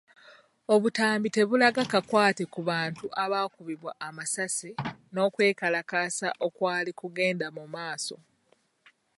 Obutambi tebulaga kakwate ku bantu abaakubwa amasasi n’okwekalakaasa okwali kugenda mu maaso .